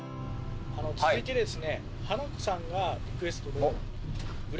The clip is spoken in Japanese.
続いてですね。